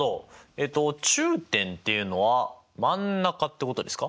えっと中点っていうのは真ん中ってことですか？